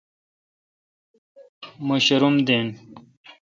مہ شاروم دین۔